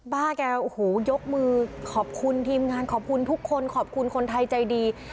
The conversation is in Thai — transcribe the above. ้าแกโอ้โหยกมือขอบคุณทีมงานขอบคุณทุกคนขอบคุณคนไทยใจดี